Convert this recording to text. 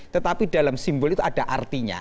tetapi dalam simbol itu ada artinya